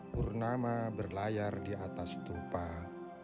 purnama berlayar di atas tumpah